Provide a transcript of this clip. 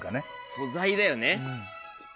素材だよね。